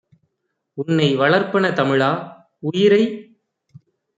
உன்னை வளர்ப்பன தமிழா! - உயிரை